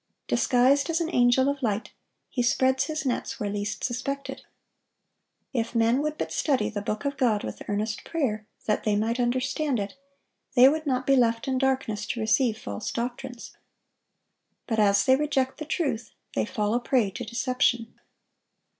Disguised as an angel of light, he spreads his nets where least suspected. If men would but study the Book of God with earnest prayer that they might understand it, they would not be left in darkness to receive false doctrines. But as they reject the truth, they fall a prey to deception.